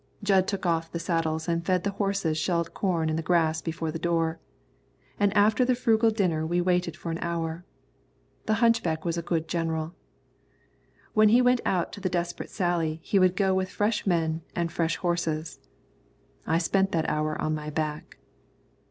Jud took off the saddles and fed the horses shelled corn in the grass before the door, and after the frugal dinner we waited for an hour. The hunchback was a good general. When he went out to the desperate sally he would go with fresh men and fresh horses. I spent that hour on my back.